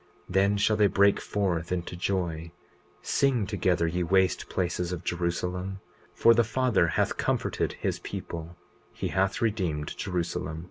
20:34 Then shall they break forth into joy—Sing together, ye waste places of Jerusalem; for the Father hath comforted his people, he hath redeemed Jerusalem.